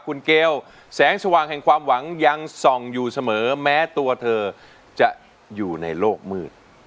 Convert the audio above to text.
สวัสดีผู้ชื่อและคุณเกลแสงสว่างหวังอย่างทร่องอยู่เสมอแม้ตัวเธอจะอยู่ในโลกมืด